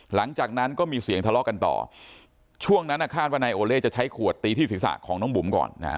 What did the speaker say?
หลังจากนั้นก็มีเสียงทะเลาะกันต่อช่วงนั้นคาดว่านายโอเล่จะใช้ขวดตีที่ศีรษะของน้องบุ๋มก่อนนะฮะ